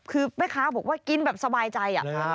คือแม่ค้าบอกว่ากินแบบสบายใจ